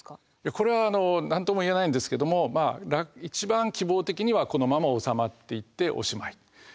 これはあの何とも言えないんですけどもまあ一番希望的にはこのまま収まっていっておしまい。